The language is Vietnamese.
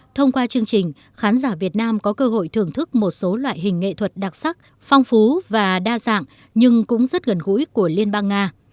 thông qua chương trình khán giả việt nam có cơ hội thưởng thức một số loại hình nghệ thuật đặc sắc phong phú và đa dạng nhưng cũng rất gần gũi của liên bang nga